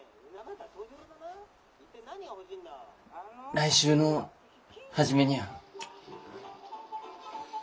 来週の初めにゃあ。